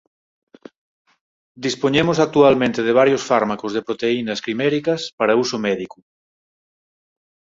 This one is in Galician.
Dispoñemos actualmente de varios fármacos de proteínas quiméricas para uso médico.